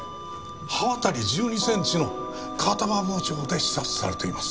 刃渡り１２センチの片刃包丁で刺殺されています。